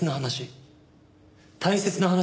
大切な話？